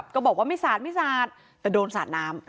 ก็บอกว่าไม่สาดไม่สาดแต่โดนสาดน้ำ